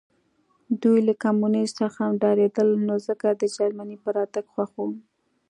دوی له کمونیزم څخه ډارېدل نو ځکه د جرمني په راتګ خوښ وو